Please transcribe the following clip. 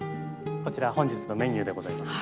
こちら本日のメニューでございます。